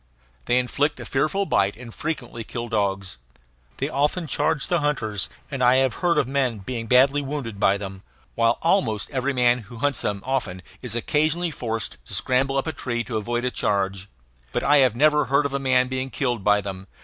They inflict a fearful bite and frequently kill dogs. They often charge the hunters and I have heard of men being badly wounded by them, while almost every man who hunts them often is occasionally forced to scramble up a tree to avoid a charge. But I have never heard of a man being killed by them.